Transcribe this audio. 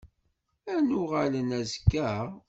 Ad n-uɣalen azekka?